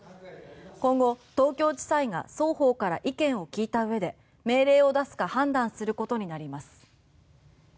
今後、東京地裁が双方から意見を聞いたうえで命令を出すか判断することになります。